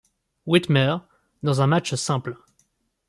Whitmer dans un match simple.